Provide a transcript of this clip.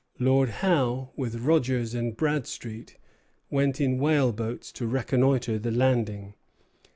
Lord Howe, with Rogers and Bradstreet, went in whaleboats to reconnoitre the landing.